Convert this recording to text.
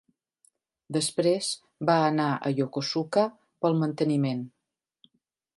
Després va anar a Yokosuka pel manteniment.